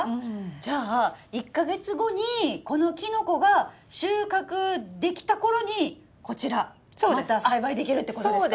じゃあ１か月後にこのキノコが収穫できた頃にこちらまた栽培できるってことですか？